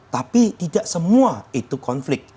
tapi tidak semua itu konflik